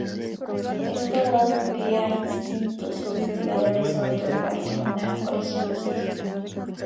Esto ha dado pie a distintos investigadores a otorgarle un origen indígena.